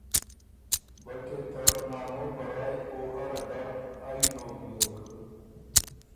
بلکې ته نانو په رایٛ او اره در ائ نوک بیوک